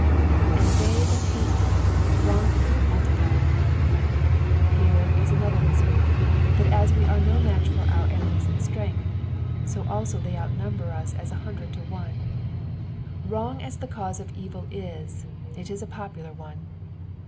"And they that hate me vrongfuUy are multiplied," Here is another misery, that as we *re no match for our enemies in strength, ao also they outnumber us as a baudred to one. Wrong as the cause of evil is, it is a popular one.